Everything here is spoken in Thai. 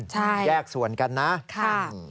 ใช่ค่ะแยกส่วนกันนะ